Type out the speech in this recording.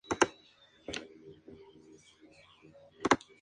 Juega de Arquero.